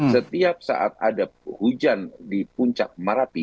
setiap saat ada hujan di puncak marapi